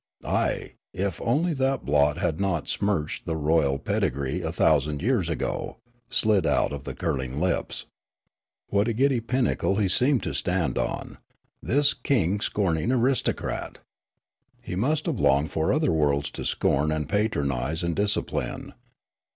" A}', if only that blot had not smirched the royal pedigree a thousand years ago," slid out of the curling lips. What a gidd} pinnacle he seemed to stand on, this king scorning aristocrat ! He must have longed for other worlds to scorn and patronise and discipline.